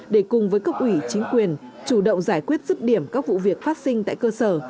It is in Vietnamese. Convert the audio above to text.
để cùng với cấp ủy chính quyền chủ động giải quyết rứt điểm các vụ việc phát sinh tại cơ sở